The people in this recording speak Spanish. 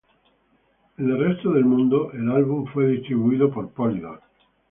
En el resto del mundo, el álbum fue distribuido por Polydor.